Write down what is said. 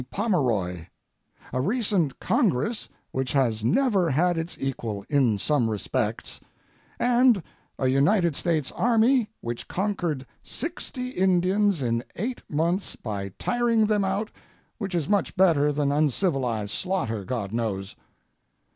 Pomeroy, a recent Congress which has never had its equal (in some respects), and a United States Army which conquered sixty Indians in eight months by tiring them out which is much better than uncivilized slaughter, God knows.